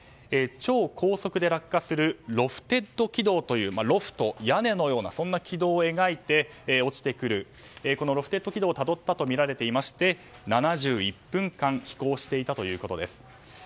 超高速で落下するロフテッド軌道というロフト、屋根のような軌道を描いて落ちてくる、ロフテッド軌道をたどったとみられていまして７１分間飛行していたということです。